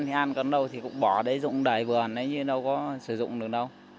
thì ăn còn đâu thì cũng bỏ đấy dụng đầy vườn đấy như đâu có sử dụng được đâu